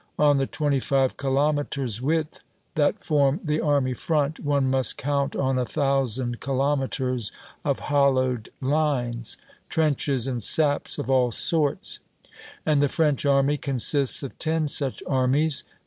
On the twenty five kilometers' width that form the army front, one must count on a thousand kilometers of hollowed lines trenches and saps of all sorts. And the French Army consists of ten such armies.